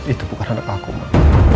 itu bukan anak aku mak